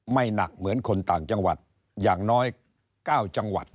หนักเหมือนคนต่างจังหวัดอย่างน้อย๙จังหวัด